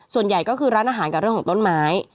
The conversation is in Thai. ส่วนใหญ่ก็คือร้านอาหารกับเรื่องของต้นไม้